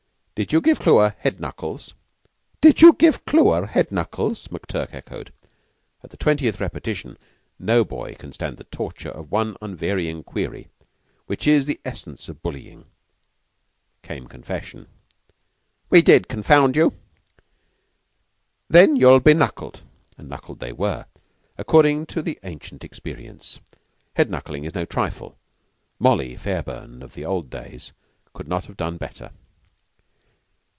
Did you give Clewer Head knuckles?" "Did you give Clewer Head knuckles?" McTurk echoed. At the twentieth repetition no boy can stand the torture of one unvarying query, which is the essence of bullying came confession. "We did, confound you!" "Then you'll be knuckled;" and knuckled they were, according to ancient experience. Head knuckling is no trifle; "Molly" Fairburn of the old days could not have done better.